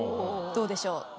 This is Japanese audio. どうでしょう？